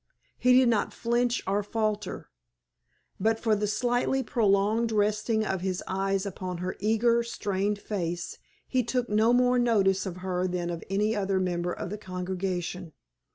He did not flinch or falter. But for the slightly prolonged resting of his eyes upon her eager, strained face he took no more notice of her than of any other member of the congregation.